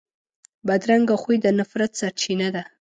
بدرنګه خوی د نفرت سرچینه ده